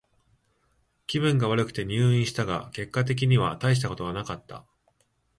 気分が悪くて入院したが、結果的にはたいしたことはなかった。